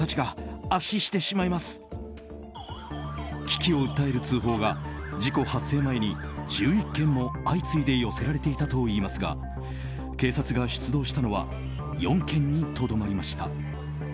危機を訴える通報が事故発生前に１１件も相次いで寄せられていたといいますが警察が出動したのは４件にとどまりました。